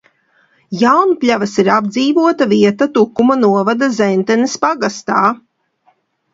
Jaunpļavas ir apdzīvota vieta Tukuma novada Zentenes pagastā.